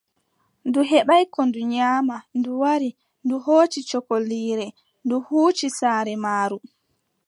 Ndu heɓaay ko ndu nyaama, ndu wari, ndu hooci sokoliire, ndu huuci saare maaru.